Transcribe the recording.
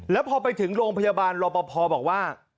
แล้วพอไปถึงโรงพยาบาลรอปภบอกว่า